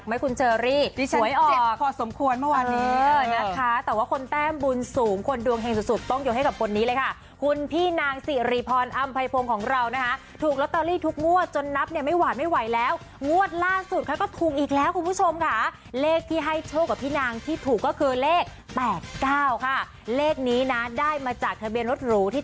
เมื่อวานนี้คุณเจ็บหนักไหมคุณเจอรี่